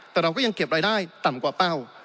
แต่เราก็ยังเก็บรายได้ต่ำกว่าเป้า